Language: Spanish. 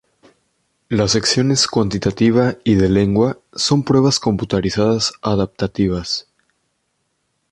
Las secciones cuantitativa y de lengua son pruebas computarizadas adaptativas.